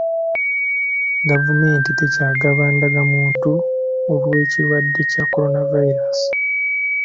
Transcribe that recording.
Gavumenti tekyagaba ndagamuntu olw'ekirwadde kya Corona virus